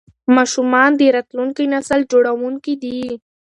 ماشومان د راتلونکي نسل جوړونکي دي.